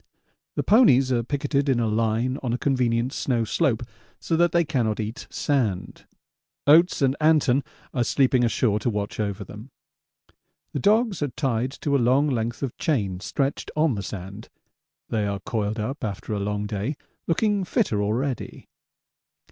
The ponies are picketed in a line on a convenient snow slope so that they cannot eat sand. Oates and Anton are sleeping ashore to watch over them. The dogs are tied to a long length of chain stretched on the sand; they are coiled up after a long day, looking fitter already.